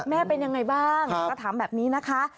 แม่เป็นยังไงบ้างก็ถามแบบนี้นะคะ